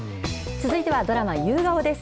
続いてはドラマ、夕顔です。